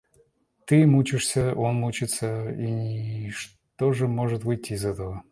Ты мучишься, он мучится, и что же может выйти из этого?